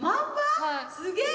すげえ！